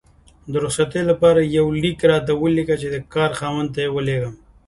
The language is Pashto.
د رخصتي لپاره یو لیک راته ولیکه چې د کار خاوند ته یې ولیږم